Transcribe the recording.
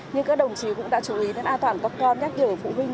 nhưng các đồng chí cũng đã chú ý đến an toàn các con nhắc nhở phụ huynh